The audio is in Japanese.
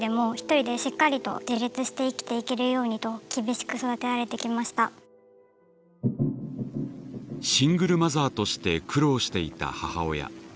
その苦手なのはん多分シングルマザーとして苦労していた母親。